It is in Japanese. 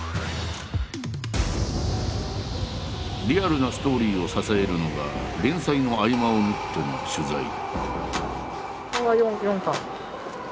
リアルなストーリーを支えるのが連載の合間を縫っての取材。